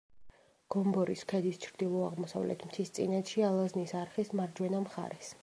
გომბორის ქედის ჩრდილო-აღმოსავლეთ მთისწინეთში, ალაზნის არხის მარჯვენა მხარეს.